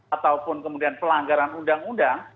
ataupun kemudian pelanggaran undang undang